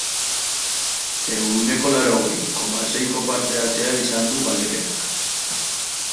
Ehuneko laurogei, koma, seiko parte-hartzea izan du galdeketak.